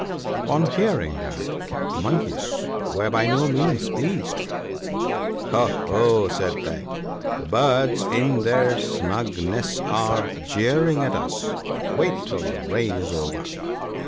On hearing that the Monkeys were by no means pleased. " Ho ! ho !" said they, " the Birds in their snug nests are jeering at us ; wait till the rain is over."